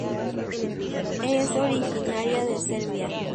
Es originaria de Serbia.